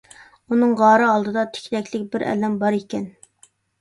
ئۇنىڭ غارى ئالدىدا تىكلەكلىك بىر ئەلەم بار ئىكەن.